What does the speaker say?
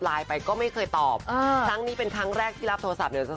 ไปก็ไม่เคยตอบอ่าครั้งนี้เป็นครั้งแรกที่รับโทรศัพท์เนี่ย